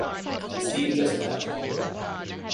And Steve just laughed.